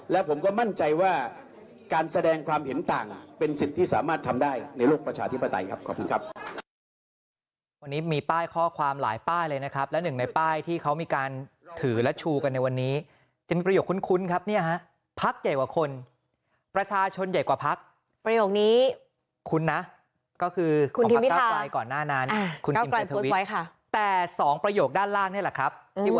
และผมก็มั่นใจว่าการแสดงความเห็นต่างเป็นสิทธิ์ที่สามารถทำได้ในโลกประชาธิปไตยครับขอบคุณครับ